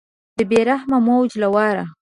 د بې رحمه موج له واره